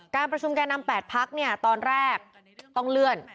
การประชุมแก่นำ๘พักตอนแรกต้องเลื่อน